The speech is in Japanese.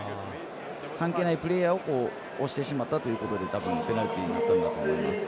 関係ないプレーヤーを押してしまったということで多分、ペナルティになったんだと思います。